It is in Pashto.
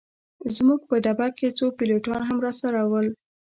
زموږ په ډبه کي څو پیلوټان هم راسره ول.